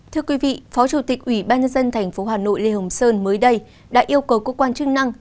thưa quý vị phó chủ tịch ủy ban nhân dân tp hà nội lê hồng sơn mới đây đã yêu cầu cơ quan chức năng